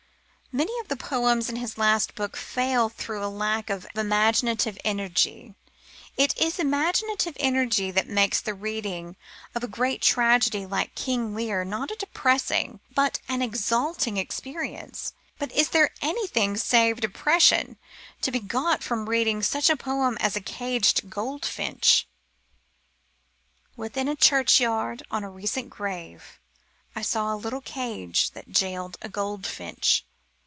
Many of the poems in his last book fail through a lack of imaginative energy. It is imaginative energy that makes the reading of a great tragedy like King Lear not a depressing, but an exalting experience. But is there anything save depression to be got from reading such a poem as A Caged Goldfinch: Within a churchyard, on a recent grave, I saw a little cage That jailed a goldfinch.